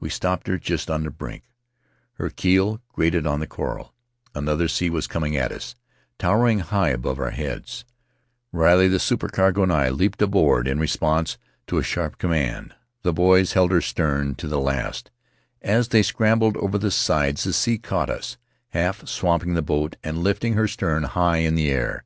We stopped her just on the brink; her keel grated on the coral; another sea was coming at us, towering high above our heads. Riley, the supercargo, and I leaped aboard in response to a sharp command. The boys held her stern on to the last; as they scrambled over the sides the sea caught us, half swamping the boat and lifting her stern high in the air.